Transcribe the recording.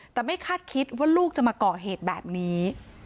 แต่ไม่คาดคิดว่าลูกจะมาก่อเหตุแบบนี้